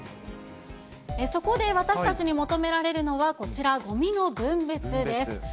そこで私たちに求められるのはこちら、ごみの分別です。